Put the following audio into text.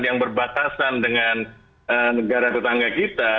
yang berbatasan dengan negara tetangga kita